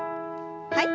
はい。